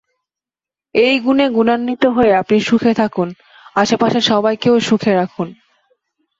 এই গুণে গুণান্বিত হয়ে আপনি সুখে থাকুন, আশপাশের সবাইকেও সুখে রাখুন।